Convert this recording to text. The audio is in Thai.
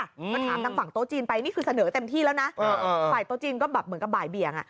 ก็ถามทางฝั่งโต๊ะจีนไปนี่คือเสนอเต็มที่แล้วนะฝ่ายโต๊ะจีนก็แบบเหมือนกับบ่ายเบียงอ่ะ